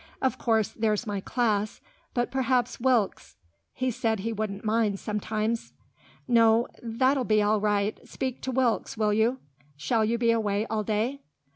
Of course there's my class. But perhaps Wilkes.... He said he wouldn't mind, sometimes." "No; that'll be all right. Speak to Wilkes, will you.... Shall you be away all day?"